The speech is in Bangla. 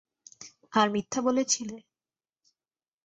আর মিথ্যা বলেছিলে?